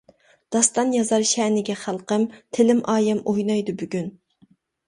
داستان يازار شەنىگە خەلقىم، تىلىم ئايەم ئوينايدۇ بۈگۈن.